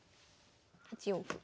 ８四歩。